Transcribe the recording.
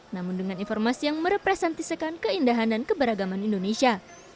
namun dengan informasi yang merepresentisekan keindahan dan keberagaman indonesia